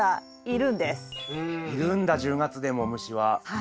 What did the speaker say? いるんだ１０月でも虫は。